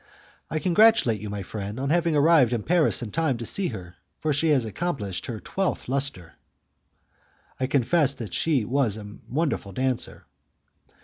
I congratulate you, my friend, upon having arrived in Paris in time to see her, for she has accomplished her twelfth lustre." I confessed that she was a wonderful dancer.